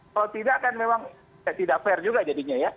kalau tidak kan memang tidak fair juga jadinya ya